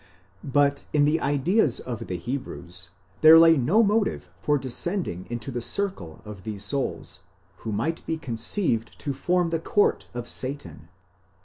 © But in the ideas of the Hebrews, there lay no motive for.descending beyond the circle of these souls, who might be conceived to form the court of Satan.